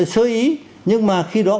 sơ ý nhưng mà khi đó